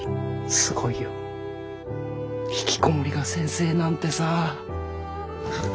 すごいよひきこもりが先生なんてさ。